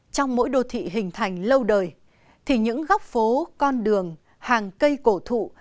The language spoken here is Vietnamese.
trong mỗi đô thị hình thành lâu đời thì những góc phố con đường hàng cây cổ thụ